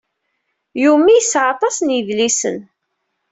Yumi yesɛa aṭas n yedlisen.